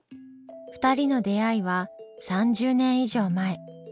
２人の出会いは３０年以上前。